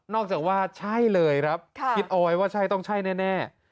จากว่าใช่เลยครับคิดเอาไว้ว่าใช่ต้องใช่แน่